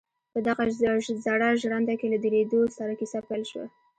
په دغه زړه ژرنده کې له درېدو سره کيسه پيل شوه.